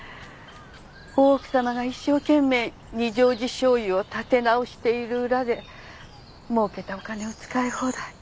大奥さまが一生懸命二条路醤油を立て直している裏でもうけたお金を使い放題。